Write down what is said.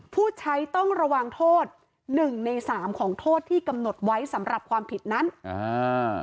ผู้ใช้ต้องระวังโทษหนึ่งในสามของโทษที่กำหนดไว้สำหรับความผิดนั้นอ่า